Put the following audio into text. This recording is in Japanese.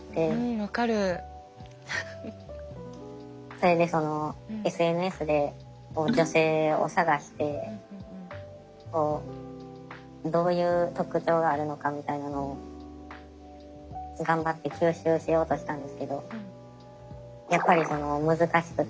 それでそのＳＮＳで女性を探してこうどういう特徴があるのかみたいなのを頑張って吸収しようとしたんですけどやっぱりその難しくて。